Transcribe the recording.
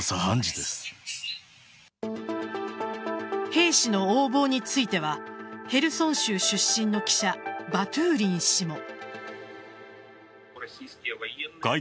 兵士の横暴についてはヘルソン州出身の記者バトゥーリン氏も。